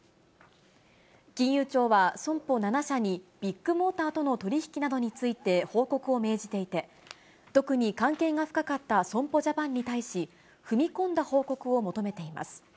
金融庁は損保７社に、ビッグモーターとの取り引きについて報告を命じていて、特に関係が深かった損保ジャパンに対し、踏み込んだ報告を求めています。